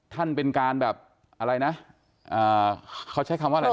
ท่านเป็นการแบบอะไรนะอ่าเขาใช้คำว่าอะไร